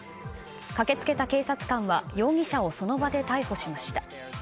駆け付けた警察官は容疑者をその場で逮捕しました。